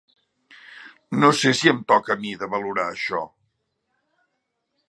No sé si em toca a mi, de valorar això.